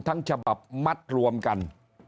ทั้งฉบับมัดรวมกัน